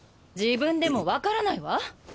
自分でも分からないわ。